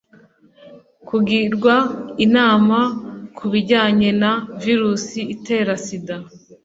kugirwa inama ku bijyanye na virusi itera sida